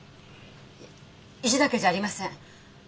いえ意地だけじゃありません！